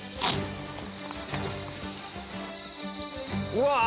うわ！